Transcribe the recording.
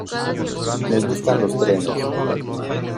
Me gustan los trenes.